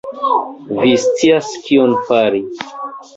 Vi scias kion fari!